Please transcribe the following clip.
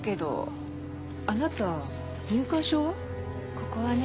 ここはね